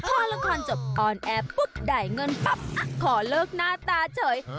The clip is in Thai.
พอละครจบออนแอร์ปุ๊บได้เงินปั๊บขอเลิกหน้าตาเฉย